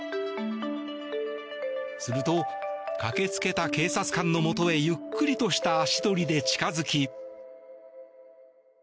すると駆けつけた警察官のもとへゆっくりとした足取りで近付き。